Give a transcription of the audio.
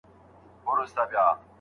آیا صداقت تر چل ول ارزښتناک دی؟